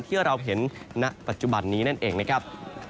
ที่เราเห็นณปัจจุบันนี้นั่นเองนะครับ